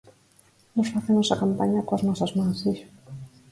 Nós facemos a campaña coas nosas mans, dixo.